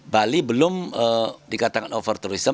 bali belum dikatakan over tourism